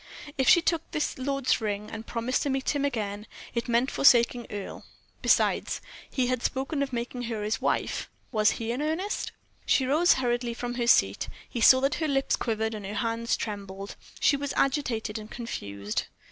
If she took this lord's ring, and promised to meet him again, it meant forsaking Earle. Besides, he had spoken of making her his wife. Was he in earnest? She rose hurriedly from her seat. He saw that her lips quivered and her hands trembled; she was agitated and confused.